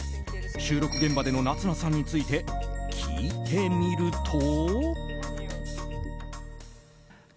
収録現場での夏菜さんについて聞いてみると。